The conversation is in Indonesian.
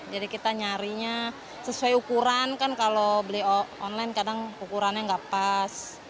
jadi kita nyarinya sesuai ukuran kan kalau beli online kadang ukurannya gak pas